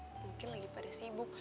mungkin lagi pada sibuk